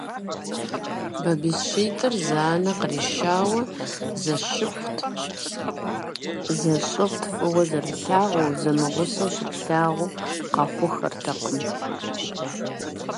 БабыщитӀыр зы анэ къришауэ зэшыпхъут, зэщӀыгъут фӀыуэ зэрылъагъуу, зэмыгъусэу щыплъагъу къэхъуххэртэкъым.